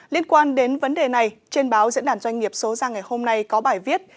liên quan đến vấn đề này trên báo diễn đàn doanh nghiệp số ra ngày hôm nay có bài viết